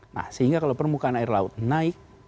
nah sehingga kalau permukaan air laut naik